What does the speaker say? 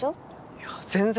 いや全然。